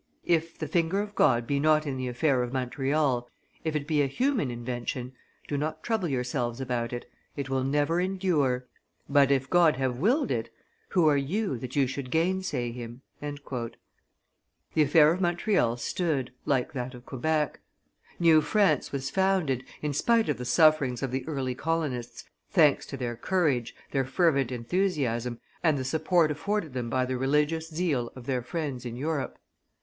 If the, finger of God be not in the affair of Montreal, if it be a human invention, do not trouble yourselves about it; it will never endure; but, if God have willed it, who are you, that you should gainsay Him?" The affair of Montreal stood, like that of Quebec; New France was founded, in spite of the sufferings of the early colonists, thanks to their courage, their fervent enthusiasm, and the support afforded them by the religious zeal of their friends in Europe.